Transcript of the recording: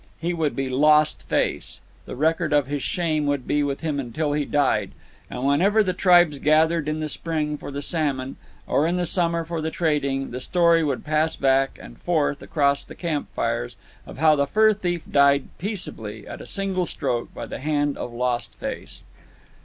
He would be Lost Face; the record of his shame would be with him until he died; and whenever the tribes gathered in the spring for the salmon, or in the summer for the trading, the story would pass back and forth across the camp fires of how the fur thief died peaceably, at a single stroke, by the hand of Lost Face.